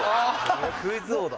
クイズ王だ